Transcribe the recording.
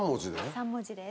３文字です。